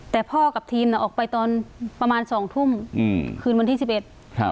แต่พากับทีนออกไปตอนประมาณ๒ทุ่มคืนวันที่สิบเอ็ด